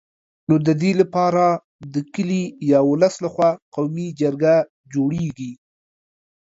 نو د دي کار دپاره د کلي یا ولس له خوا قومي جرګه جوړېږي